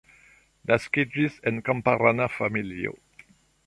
Naskiĝis en kamparana familio.